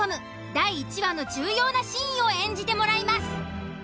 第１話の重要なシーンを演じてもらいます。